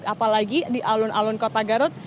apalagi di alun alun kota garut